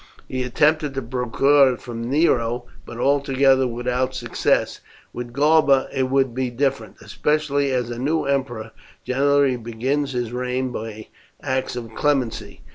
He attempted to procure it from Nero, but altogether without success; with Galba it will be different, especially as a new emperor generally begins his reign by acts of clemency.